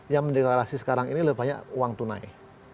yang mendeklarasi sekarang ini lebih banyak uang tunai